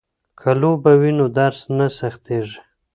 که لوبه وي نو درس نه سختيږي.